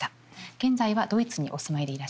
現在はドイツにお住まいでいらっしゃいます。